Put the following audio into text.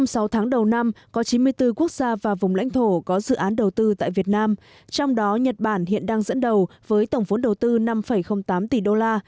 trong sáu tháng đầu năm có chín mươi bốn quốc gia và vùng lãnh thổ có dự án đầu tư tại việt nam trong đó nhật bản hiện đang dẫn đầu với tổng vốn đầu tư năm tám tỷ đô la